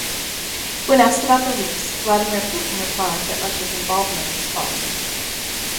When asked about the leaks, Vladimir Putin replied that Russia's involvement was false.